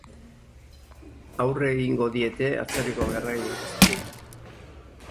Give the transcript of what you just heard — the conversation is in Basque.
Aurre egingo diete atzerriko gerragin guztiei.